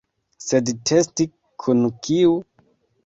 Sed testi kun kiu?